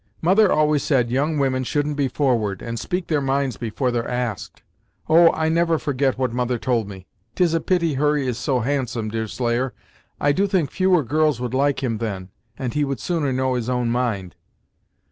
"Mother always said young women shouldn't be forward, and speak their minds before they're asked; Oh! I never forget what mother told me. 'Tis a pity Hurry is so handsome, Deerslayer; I do think fewer girls would like him then, and he would sooner know his own mind."